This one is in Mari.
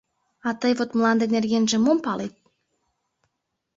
А тый вот мланде нергенже мом палет?